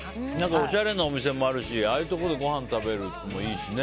おしゃれなお店もあるしああいうところでごはん食べるのもいいしね。